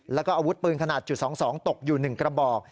แล้วก็อาวุธปืนขนาดจุด๒๒ตกอยู่๑กระบอก